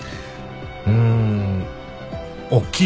うんおっきい人。